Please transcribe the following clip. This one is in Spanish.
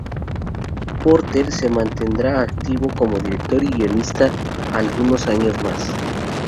Porter se mantendrá activo como director y guionista algunos años más.